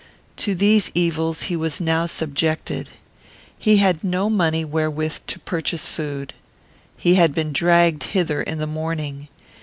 To these evils he was now subjected. He had no money wherewith to purchase food. He had been dragged hither in the morning.